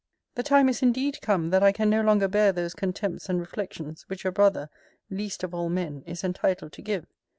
The time is indeed come that I can no longer bear those contempts and reflections which a brother, least of all men, is entitled to give.